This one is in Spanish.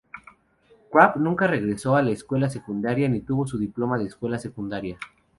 Karp nunca regresó a la escuela secundaria ni obtuvo su diploma de escuela secundaria.